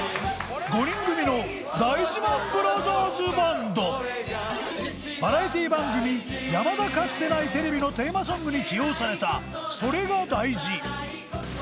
５人組のバラエティ番組『やまだかつてないテレビ』のテーマソングに起用された『それが大事』